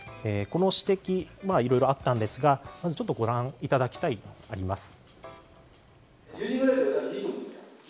この指摘いろいろあったんですがまずご覧いただきたいものがあります。